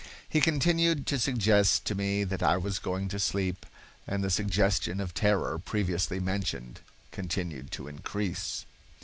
He continued to suggest to me that I was going to sleep, and the suggestion of terror previously mentioned continued to increase."